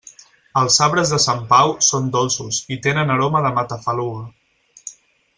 Els sabres de Sant Pau són dolços i tenen aroma de matafaluga.